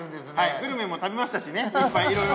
グルメも食べましたしねいっぱい、いろいろ。